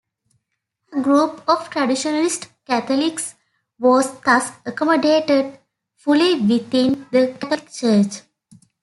A group of traditionalist Catholics was thus accommodated fully within the Catholic Church.